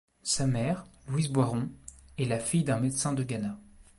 Sa mère, Louise Boiron, est la fille d'un médecin de Gannat.